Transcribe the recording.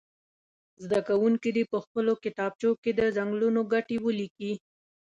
زده کوونکي دې په خپلو کتابچو کې د څنګلونو ګټې ولیکي.